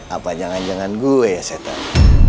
apa jangan jangan gue ya setan